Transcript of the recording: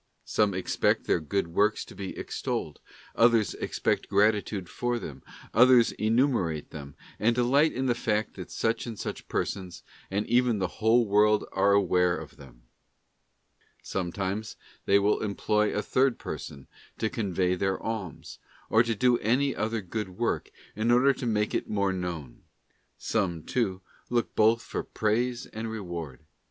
Some expect their good works to be extolled, others expect gratitude for them, others enumerate them, and delight in the fact that such and such persons, and even the whole world are aware of them; sometimes they will employ a third person to convey their alms, or to do any other good work, in order to make it the more known; some, too, look | both for praise and reward.